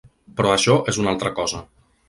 Però això és una altra cosa.